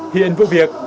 hiện vụ việc